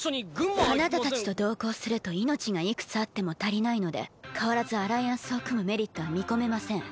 あなたたちと同行すると命がいくつあっても足りないので変わらずアライアンスを組むメリットは見込めません。